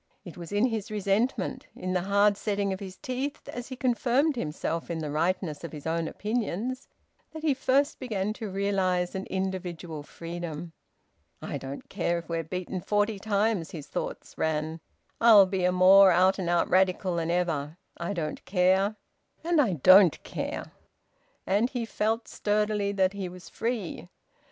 It was in his resentment, in the hard setting of his teeth as he confirmed himself in the rightness of his own opinions, that he first began to realise an individual freedom. "I don't care if we're beaten forty times," his thoughts ran. "I'll be a more out and out Radical than ever! I don't care, and I don't care!" And he felt sturdily that he was free.